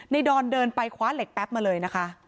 ดอนเดินไปคว้าเหล็กแป๊บมาเลยนะคะ